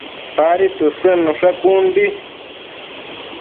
Padi tësëdnushe con di